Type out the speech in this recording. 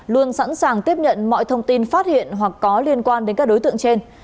luôn sẵn sàng tiếp nhận mọi thông tin phát hiện hoặc có liên quan đến các đối tượng trên